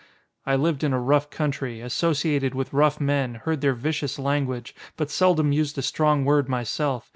I lived in a rough country. Associated with rough men, heard their vicious language, but seldom used a strong word myself.